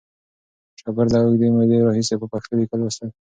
شاګرد له اوږدې مودې راهیسې په پښتو لوستل کوي.